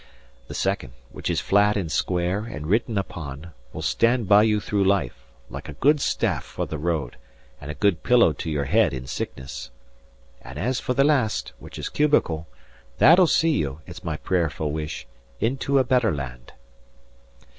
The second, which is flat and square and written upon, will stand by you through life, like a good staff for the road, and a good pillow to your head in sickness. And as for the last, which is cubical, that'll see you, it's my prayerful wish, into a better land."